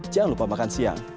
jangan lupa makan siang